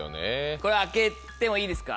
これ開けてもいいですか？